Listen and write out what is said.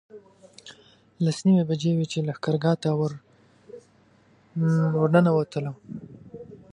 لس نیمې بجې وې چې لښکرګاه ته ورنوتلو.